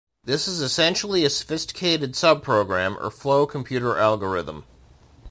This is essentially a sophisticated subprogram or flow computer algorithm.